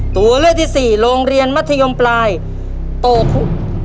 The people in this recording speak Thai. ตัวเลือกที่สี่โรงเรียนมัธยมปลายโตคุ